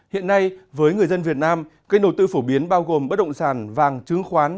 hiện nay với người dân việt nam kênh đầu tư phổ biến bao gồm bất động sản vàng chứng khoán